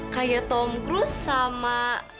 kayak tom cruise sama